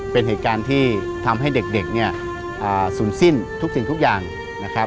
เป็นเหตุการณ์ที่ทำให้เด็กเนี่ยศูนย์สิ้นทุกสิ่งทุกอย่างนะครับ